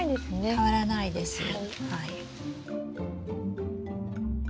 変わらないですはい。